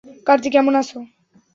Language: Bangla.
কার্তিক কেমন আছো?